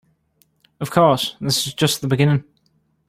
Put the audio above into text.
Of course, this is just the beginning.